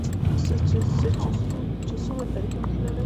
چې څومره تاريخي مخينه لري.